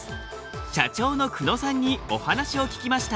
社長の久野さんにお話を聞きました。